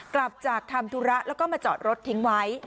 กลับจากทำธุระแล้วก็มาจอดรถทิ้งไว้